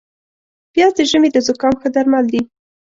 پیاز د ژمي د زکام ښه درمل دي